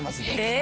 え？